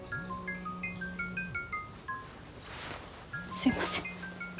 すいません。